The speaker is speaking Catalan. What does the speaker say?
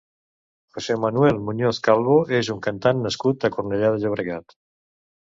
José Manuel Muñoz Calvo és un cantant nascut a Cornellà de Llobregat.